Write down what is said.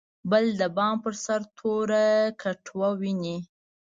بل د بام په سر توره کټوه ویني.